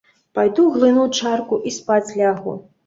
Пайду глыну чарку і спаць лягу.